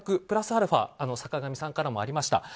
プラスアルファ坂上さんからもありました。